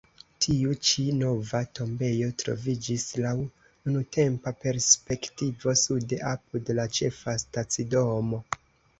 Tiu ĉi nova tombejo troviĝis laŭ nuntempa perspektivo sude apud la ĉefa stacidomo.